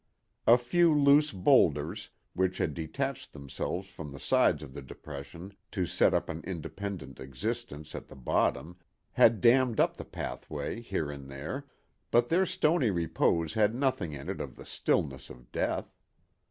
A few loose bowlders, which had detached themselves from the sides of the depression to set up an independent existence at the bottom, had dammed up the pathway, here and there, but their stony repose had nothing in it of the stillness of death.